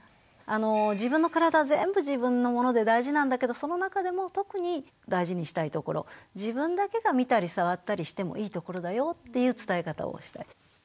自分の体全部自分のもので大事なんだけどその中でも特に大事にしたいところ自分だけが見たり触ったりしてもいいところだよっていう伝え方をしたり。